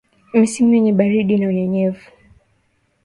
Misimu yenye baridi na unyevunyevu